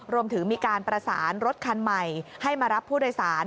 รวมถึงมีการประสานรถคันใหม่ให้มารับผู้โดยสาร